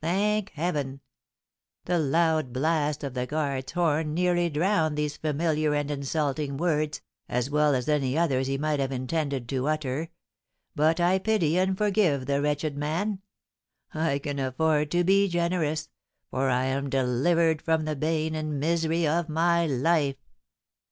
Thank heaven! The loud blast of the guard's horn nearly drowned these familiar and insulting words, as well as any others he might have intended to utter. But I pity and forgive the wretched man, I can afford to be generous, for I am delivered from the bane and misery of my life."